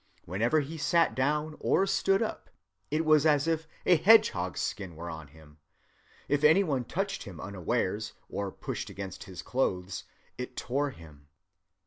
Whenever he sat down or stood up, it was as if a hedgehog‐skin were on him. If any one touched him unawares, or pushed against his clothes, it tore him."